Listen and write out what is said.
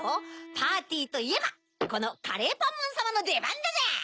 パーティーといえばこのカレーパンマンさまのでばんだぜ！